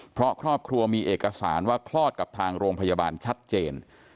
เพราะครอบครัวมีเอกสารว่าคลอดกับทางโรงพยาบาลชัดเจน